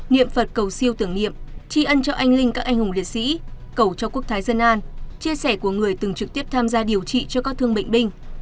niệm phật cầu siêu tưởng niệm tri ân cho anh linh các anh hùng liệt sĩ cầu cho quốc thái dân an chia sẻ của người từng trực tiếp tham gia điều trị cho các thương bệnh binh